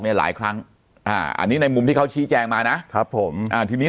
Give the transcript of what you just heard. หลายครั้งอ่าอันนี้ในมุมที่เขาชี้แจงมานะครับผมอ่าทีนี้